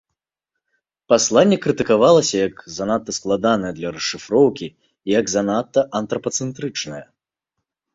Пасланне крытыкавалася як занадта складанае для расшыфроўкі і як занадта антрапацэнтрычнае.